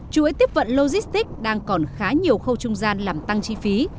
chuỗi tiếp vận logistics đang còn khá nhiều khâu trung gian làm tăng chi phí